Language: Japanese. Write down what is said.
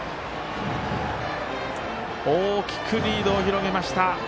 大きくリードを広げました。